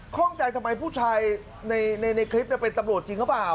ข้องใจทำไมผู้ชายในคลิปเป็นตำรวจจริงหรือเปล่า